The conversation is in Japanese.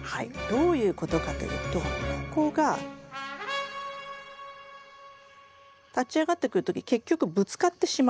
どういうことかというとここが立ち上がってくる時結局ぶつかってしまうんです。